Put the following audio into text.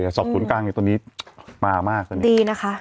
แต่สอบศูนย์กลางจะต้นิปลามากค่ะ